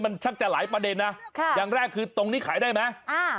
มันชักจะหลายประเด็นนะค่ะอย่างแรกคือตรงนี้ขายได้ไหมอ่า